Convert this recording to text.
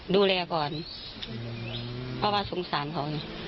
ดูแลก่อนเพราะว่าสงสารเขาไง